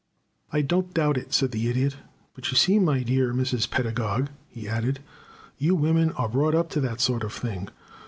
"I don't doubt it," said the Idiot, "but you see, my dear Mrs. Pedagog," he added, "you women are brought up to that sort of thing.